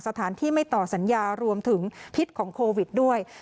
สถานที่ไม่ต่อสัญญารวมถึงพิษของโควิดด้วย